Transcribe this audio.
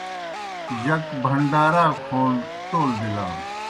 جک بھنڈارا کھون ٹول بِلان۔